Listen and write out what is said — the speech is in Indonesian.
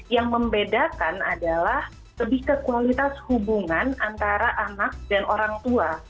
yang membedakan adalah lebih ke kualitas hubungan antara anak dan orang tua